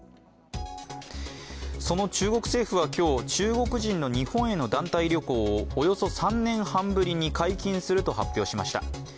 その中国政府は今日中国人の日本への団体旅行ｗぽおよそ３年半ぶりに解禁すると発表しました。